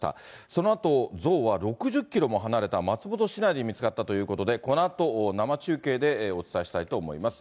そのあと、像は６０キロも離れた松本市内で見つかったということで、このあと生中継でお伝えしたいと思います。